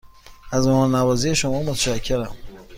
از مهمان نوازی شما متشکرم.